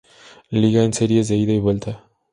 Liga en series de ida y vuelta.